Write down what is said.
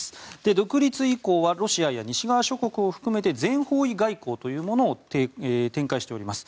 独立以降はロシアや西側諸国を含めて全方位外交というものを展開しております。